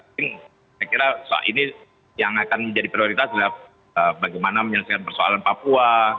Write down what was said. saya kira soal ini yang akan menjadi prioritas adalah bagaimana menyelesaikan persoalan papua